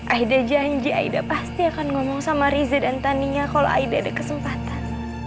aida janji aida pasti akan ngomong sama riza dan taninya kalau aida ada kesempatan